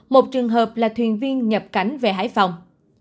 một trường hợp là thuyền viên nhập cảnh về hải phòng